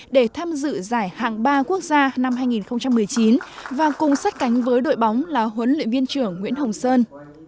để tham dự giải hạng ba quốc gia năm hai nghìn một mươi chín và cùng sát cánh với đội bóng là huấn luyện viên trưởng nguyễn hồng sơn